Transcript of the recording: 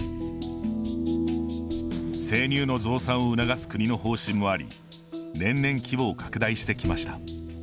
生乳の増産を促す国の方針もあり年々規模を拡大してきました。